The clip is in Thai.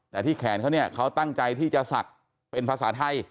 แต่ที่แขนเขาเนี่ยเขาตั้งใจที่จะศักดิ์เป็นภาษาไทย